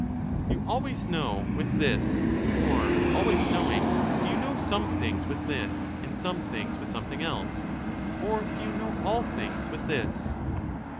You always know with this, or, always knowing, do you know some things with this, and some things with something else, or do you know all things with this?